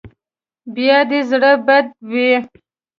بیا دې زړه بدې وي.